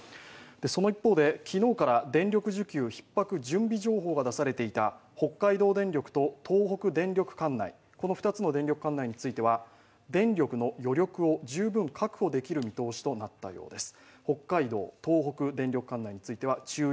その一方で、昨日から電力需給ひっ迫準備情報が出されていた北海道電力と東北電力管内、この２つの電力管内については電力の余力を十分確保できる見通しとなったようです。